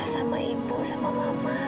sama ibu sama mama